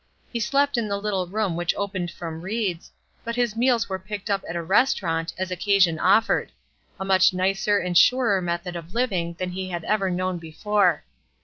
He slept in the little room which opened from Ried's, but his meals were picked up at a restaurant, as occasion offered, a much nicer and surer method of living than he had ever known before.